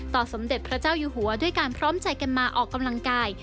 สมเด็จพระเจ้าอยู่หัวด้วยการพร้อมใจกันมาออกกำลังกาย